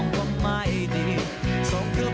สวัสดีครับ